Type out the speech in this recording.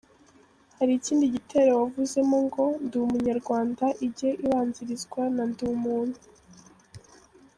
Hari ikindi gitero wavuzemo ngo : “Ndi umunyarwanda ijye ibanzirizwa na ndi umuntu”.